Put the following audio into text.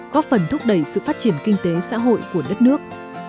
góp phần thúc đẩy sự phát triển kinh tế xã hội của đất nước